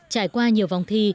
trải qua nhiều vòng thi